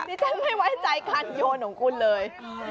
ฉันไม่ไว้ใจการโยนของคุณเลย